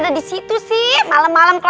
ke dapur ke dapur ke dapur